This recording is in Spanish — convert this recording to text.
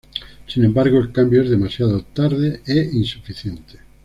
Sin embargo, el cambio es demasiado tarde e insuficiente.